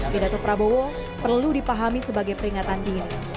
pidato prabowo perlu dipahami sebagai peringatan dini